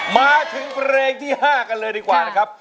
มาถึงเพลงที่๕กันเลยดีกว่านะครับ